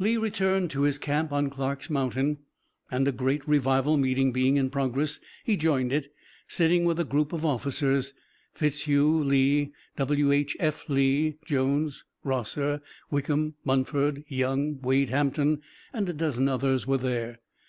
Lee returned to his camp on Clarke's Mountain, and, a great revival meeting being in progress, he joined it, sitting with a group of officers. Fitzhugh Lee, W. H. F. Lee, Jones, Rosser, Wickham, Munford, Young, Wade Hampton and a dozen others were there.